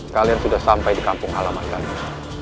kalian sudah sampai di kampung halaman kami